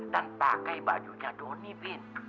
dan pakai bajunya doni bin